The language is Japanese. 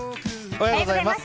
おはようございます。